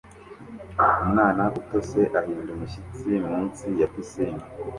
Umwana utose ahinda umushyitsi munsi ya pisine